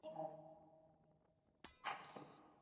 Gogoratu; maiatzeko testu tipo berezia ikasturteko kronika zen.